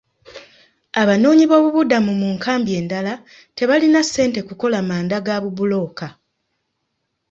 Abanoonyiboobubudamu mu nkambi endala tebalina ssente kukola manda ga bubulooka.